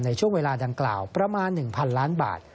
ในช่วงเวลาดังกล่าวประมาณ๑๐๐๐ล้านบาท